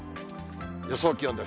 予想気温です。